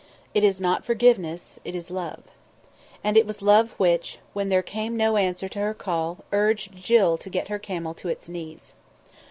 It is not forgiveness; it is Love. And it was Love which, when there came no answer to her call, urged Jill to get her camel to its knees.